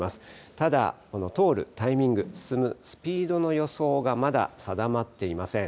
ただ、この通るタイミング、進むスピードの予想がまだ定まっていません。